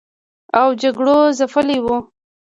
او جګړو ځپلي و